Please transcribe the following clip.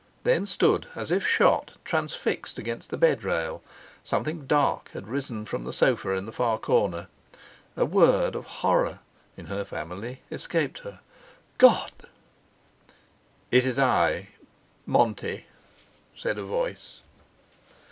—then stood, as if shot, transfixed against the bed rail. Something dark had risen from the sofa in the far corner. A word of horror—in her family—escaped her: "God!" "It's I—Monty," said a voice.